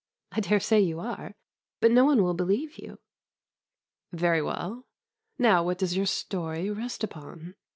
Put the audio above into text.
"I dare say you are, but no one will believe you." "Very well. Now what does your story rest upon?"